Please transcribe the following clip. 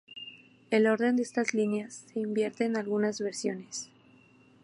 El orden de estas líneas se invierte en algunas versiones.